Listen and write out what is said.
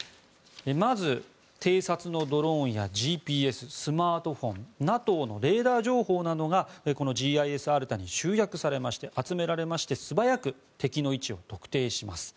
まず、偵察のドローンやＧＰＳスマートフォンＮＡＴＯのレーダー情報などがこのＧＩＳＡｒｔａに集約されまして集められまして素早く敵の位置を特定します。